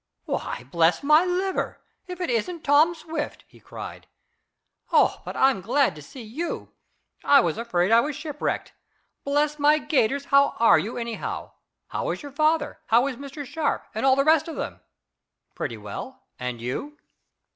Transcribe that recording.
Why, bless my liver! If it isn't Tom Swift!" he cried. "Oh, but I'm glad to see you! I was afraid I was shipwrecked! Bless my gaiters, how are you, anyhow? How is your father? How is Mr. Sharp, and all the rest of them?" "Pretty well. And you?"